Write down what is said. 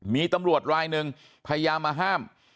มีตำรวจรายหนึ่งพยายามมาห้าม